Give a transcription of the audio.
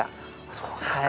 そうですか。